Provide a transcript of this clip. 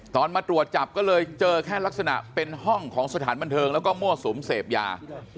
มาตรวจจับก็เลยเจอแค่ลักษณะเป็นห้องของสถานบันเทิงแล้วก็มั่วสุมเสพยา